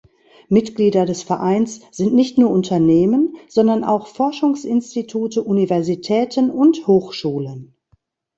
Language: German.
Mitglieder des Vereins sind nicht nur Unternehmen, sondern auch Forschungsinstitute, Universitäten und Hochschulen.